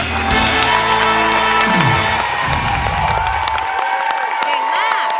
เก่งมาก